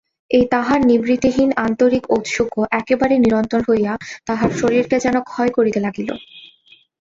এই তাহার নিবৃত্তিহীন আন্তরিক ঔৎসুক্য একেবারে নিরন্তর হইয়া তাহার শরীরকে যেন ক্ষয় করিতে লাগিল।